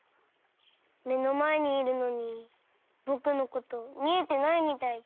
めのまえにいるのにぼくのことみえてないみたいで。